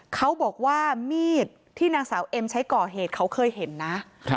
เขาบอกว่ามีดที่นางสาวเอ็มใช้ก่อเหตุเขาเคยเห็นนะ